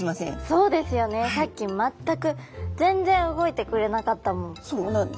そうですよねさっき全く全然動いてくれなかったもん。